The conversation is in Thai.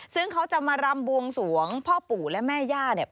ซึ่งเขาจะมารำบวงสวงพ่อปู่และแม่ย่าเนี่ย